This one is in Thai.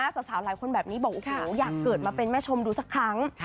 สามารถหลายคนแบบนี้อยากเกิดมาเป็นแม่ชมดูสักครั้ง